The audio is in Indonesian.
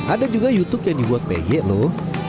ada juga yutuk yang dibuat pege loh